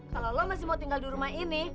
kalau lo masih mau tinggal di rumah ini